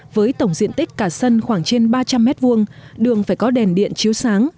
với tổng diện tích cả sân khoảng trên ba trăm linh m hai đường phải có đèn điện chiếu sáng